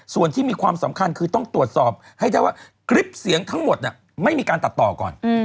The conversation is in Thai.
ส่วนที่มีความสำคัญคือต้องตรวจสอบให้ได้ว่าคลิปเสียงทั้งหมดไม่มีการตัดต่อก่อน